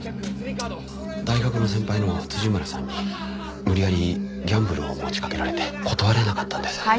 大学の先輩の村さんに無理やりギャンブルを持ちかけられて断れなかったんです。